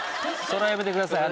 それはやめてください。